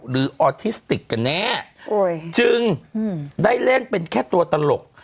ออทิสติกกันแน่จึงได้เล่นเป็นแค่ตัวตลก